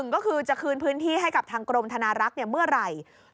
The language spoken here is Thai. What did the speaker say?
ก็คือจะคืนพื้นที่ให้กับทางกรมธนารักษ์เมื่อไหร่